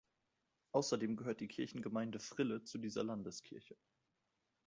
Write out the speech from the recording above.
Außerdem gehört die Kirchengemeinde Frille zu dieser Landeskirche.